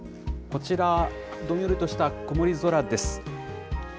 こちら、どんよりとした曇り空です。